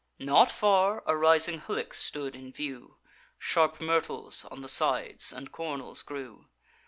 Not far, a rising hillock stood in view; Sharp myrtles on the sides, and cornels grew.